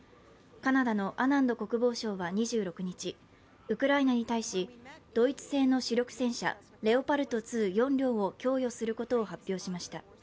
カナダのアナンド国防相は２６日ウクライナに対し、ドイツ製の主力戦車、レオパルド２、４台を供与することを発表しました。